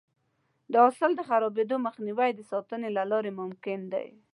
د حاصل د خرابېدو مخنیوی د ساتنې له لارې ممکن دی.